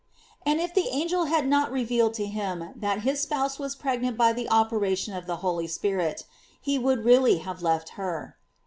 "J And if the angel had not revealed to him that his spouse was pregnant by the operation of the Holy Spirit, he would really have left her.